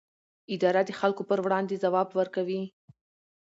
اداره د خلکو پر وړاندې ځواب ورکوي.